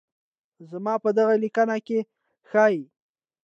زما په دغه ليکنه کې ښايي